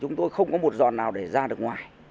chúng tôi không có một giòn nào để ra được ngoài